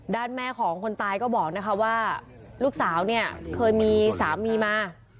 แม่ของคนตายก็บอกนะคะว่าลูกสาวเนี่ยเคยมีสามีมา